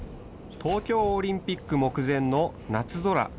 東京オリンピック目前の夏空。